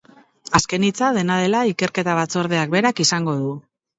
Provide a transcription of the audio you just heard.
Azken hitza, dena dela, ikerketa batzordeak berak izango du.